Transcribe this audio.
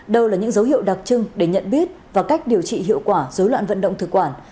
đâu là những dấu hiệu đặc trưng để nhận biết và cách điều trị hiệu quả dối loạn vận động thực quản